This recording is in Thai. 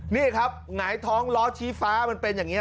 นี่ครับหงายท้องล้อชี้ฟ้ามันเป็นอย่างนี้